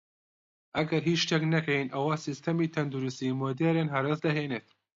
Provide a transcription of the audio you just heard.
ئەگەر هیچ شتێک نەکەین ئەوە سیستەمی تەندروستی مودێرن هەرەس دەهێنێت